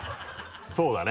そうだね。